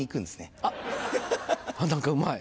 あっ何かうまい。